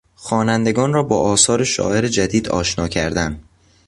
خوانندگان را با آثار شاعر جدید آشنا کردن